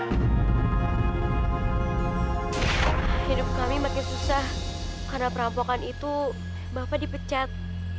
hidup kami makin susah karena perampokan itu bapak dipecat